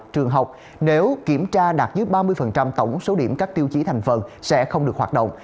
trường học nếu kiểm tra đạt dưới ba mươi tổng số điểm các tiêu chí thành phần sẽ không được hoạt động